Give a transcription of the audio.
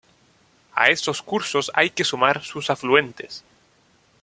A estos cursos hay que sumar sus afluentes.